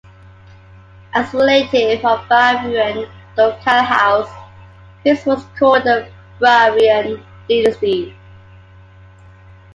As a relative of the Bavarian ducal house, his was called the Bavarian Dynasty.